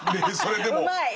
うまい！